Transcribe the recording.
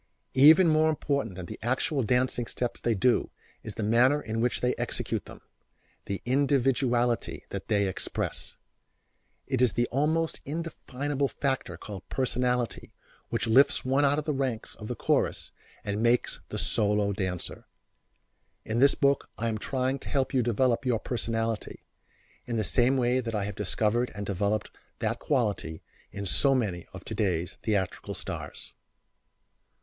Even more important than the actual dancing steps they do is the manner in which they execute them the individuality that they express. It is the almost indefinable factor called personality which lifts one out of the ranks of the chorus and makes the solo dancer. In this book I am trying to help you develop your personality, in the same way that I have discovered and developed that quality in so many of today's theatrical stars.